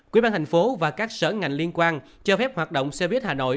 quy bán thành phố và các sở ngành liên quan cho phép hoạt động xe buýt hà nội